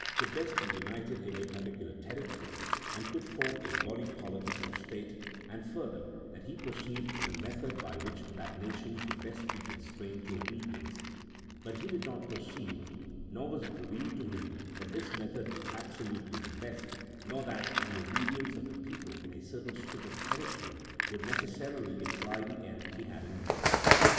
could best "be united in a particular territory, and could form a "body politic or state, and further that he perceived the method by which that nation could best be constrained to obedience ; but he did not perceive, nor was it revealed to him, that this method was absolutely the best, nor that the obedience of the people in a certain strip of territory would necessarily imply the end he had in view.